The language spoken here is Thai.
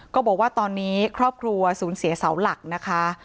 ก็บอกว่าตอนนี้ครอบครัวสูญเสียเสาหลักนะคะ